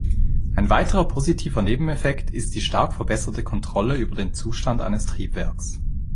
Ein weiterer positiver Nebeneffekt ist die stark verbesserte Kontrolle über den Zustand eines Triebwerks.